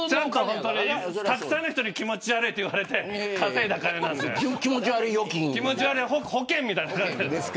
たくさんの人に気持ち悪いと言われて稼いだ金なんです。